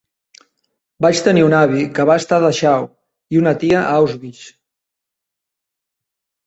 Vaig tenir un avi que va estar a Dachau i una tia a Auschwitz.